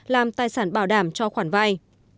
làm tài sản bảo đảm cho khoản vai